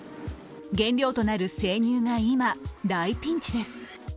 原料となる生乳が今、大ピンチです